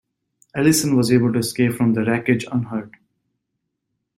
Ellyson was able to escape from the wreckage unhurt.